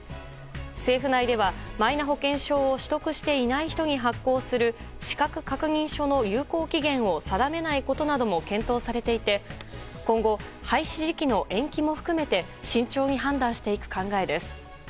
政府内ではマイナ保険証を取得していない人に発行する資格確認書の有効期限を定めないことなども検討されていて今後、廃止時期の延期も含めて慎重に判断していく考えです。